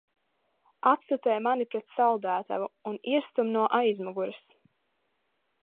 Atstutē mani pret saldētavu un iestum no aizmugures!